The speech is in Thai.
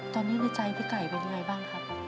ตอนนี้ในใจพี่ไก่เป็นยังไงบ้างครับ